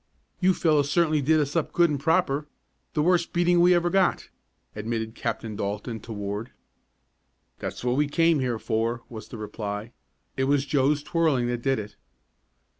"You fellows certainly did us up good and proper the worst beating we ever got," admitted Captain Dalton to Ward. "That's what we came here for," was the reply. "It was Joe's twirling that did it."